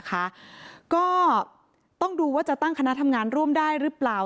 ก็ต้องดูว่าจะตั้งคณะทำงานร่วมได้หรือเปล่า